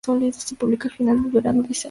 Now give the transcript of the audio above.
Se publica al final del verano de ese año.